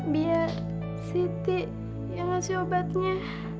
biar siti yang ngasih obatnya